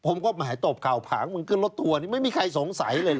ผมก็หมายโตบเข่าผางมันขึ้นรถทัวร์ไม่มีใครสงสัยเลยเหรอ